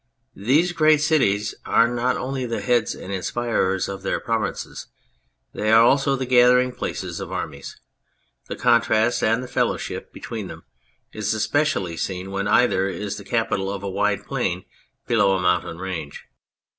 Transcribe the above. These great cities are not only the heads and inspirers of their provinces, they are also the gathering places of armies ; the contrast and the fellowship between them is especially seen when either is the capital of a wide plain below a mountain range.